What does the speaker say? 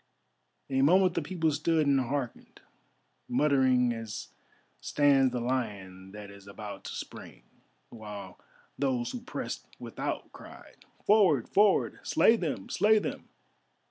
A moment the people stood and hearkened, muttering as stands the lion that is about to spring, while those who pressed without cried: "Forward! Forward! Slay them! Slay them!"